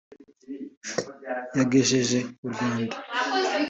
yagejeje u Rwanda